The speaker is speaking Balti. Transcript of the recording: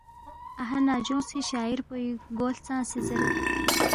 اَہا ننگجونگسی شاعر پوئی گو ہلژانگسے زیرید۔